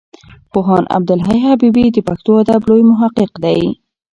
پوهاند عبدالحی حبیبي د پښتو ادب لوی محقق دی.